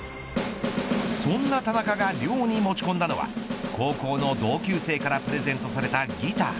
そんな田中が寮に持ち込んだのは高校の同級生からプレゼントされたギター。